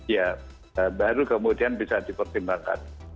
ya baru kemudian bisa dipertimbangkan